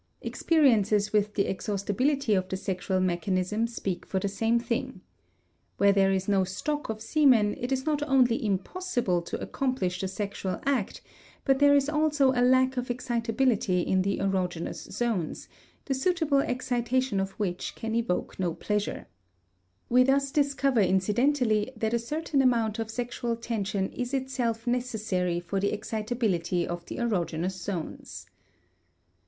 Experiences with the exhaustibility of the sexual mechanism speak for the same thing. Where there is no stock of semen it is not only impossible to accomplish the sexual act, but there is also a lack of excitability in the erogenous zones, the suitable excitation of which can evoke no pleasure. We thus discover incidentally that a certain amount of sexual tension is itself necessary for the excitability of the erogenous zones.